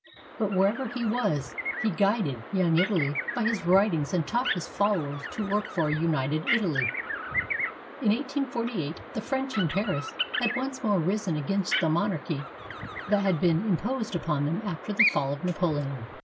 But wherever he was, he guided "Young Italy" by his writings and taught his followers to work for a united Italy. In 1848 the French in Paris had once more risen against the monarchy that had been imposed upon them after the fall of Napoleon.